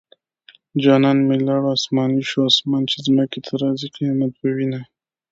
جانان مې لاړو اسماني شو اسمان چې ځمکې ته راځي قيامت به وينه